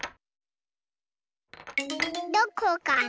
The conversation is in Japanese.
どこかな？